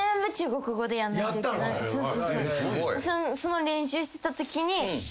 その練習してたときに。